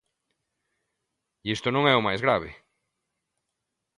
E isto non é o mais grave.